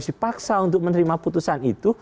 apakah kemudian kpu harus dipaksa untuk menerima putusan itu